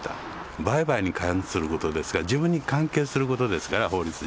売買に関することですから、自分に関係することですから、法律上。